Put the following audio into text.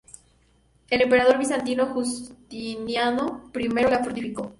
El emperador bizantino Justiniano I la fortificó.